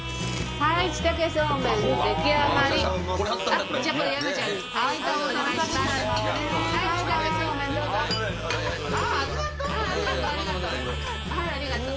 はいありがとう。